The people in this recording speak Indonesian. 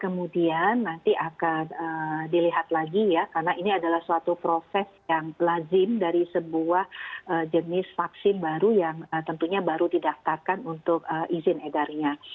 kemudian nanti akan dilihat lagi ya karena ini adalah suatu proses yang lazim dari sebuah jenis vaksin baru yang tentunya baru didaftarkan untuk izin edarnya